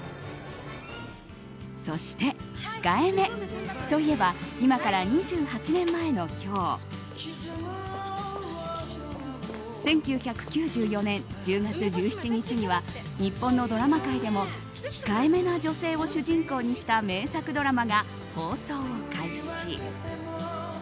そして、控えめといえば今から２８年前の今日１９９４年１０月１７日には日本のドラマ界でも控えめな女性を主人公にした名作ドラマが放送を開始。